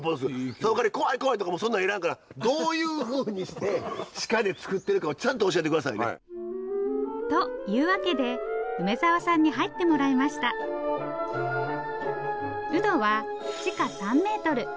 その代わり「怖い怖い！」とかそんなんいらんからどういうふうにして地下で作ってるかをちゃんと教えて下さいね。というわけで梅沢さんに入ってもらいましたウドは地下３メートル。